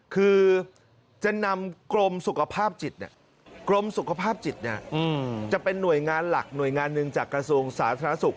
คือจะนำกรมสุขภาพจิตกรมสุขภาพจิตจะเป็นหน่วยงานหลักหน่วยงานหนึ่งจากกระทรวงสาธารณสุข